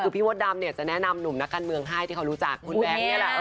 พี่มดดำจะแนะนำหนุ่มนักการเมืองให้ที่เขารู้จักคุณแดน